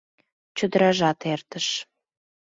Чодыражат эртыш